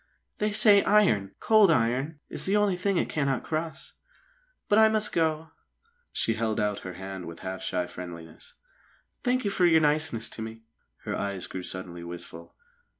"They say iron cold iron is the only thing it cannot cross. But I must go!" She held out her hand with half shy friendliness. "Thank you for your niceness to me." Her eyes grew suddenly wistful.